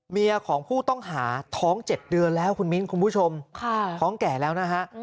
เมียของผู้ต้องหาท้อง๗เดือนแล้วคุณมิ้นคุณผู้ชมท้องแก่แล้วนะฮะ